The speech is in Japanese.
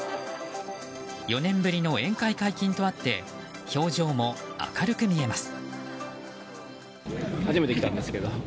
４年ぶりの宴会解禁とあって表情も明るく見えます。